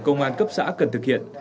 công an cấp xã cần thực hiện